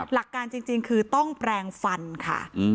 หลักการจริงคือต้องแปลงฟันค่ะ